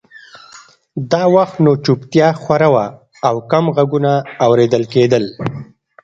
دا وخت نو چوپتیا خوره وه او کم غږونه اورېدل کېدل